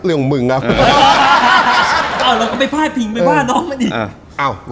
หรือของมึงครับ